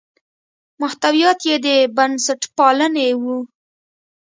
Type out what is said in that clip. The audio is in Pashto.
محتویات یې د بنسټپالنې وو.